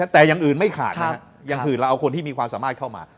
แต่อย่างอื่นไม่ขาดนะครับอย่างอื่นเราเอาคนที่มีความสามารถเข้ามา